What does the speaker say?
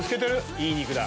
いい肉だ。